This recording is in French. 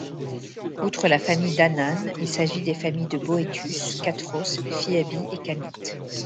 Outre la famille d'Anân, il s'agit des familles de Boethus, Kathros, Phiabi et Kamith.